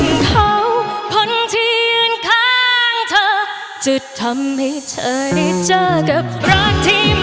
ไม่มีใครไปให้มีแค่สิทธิพร้อม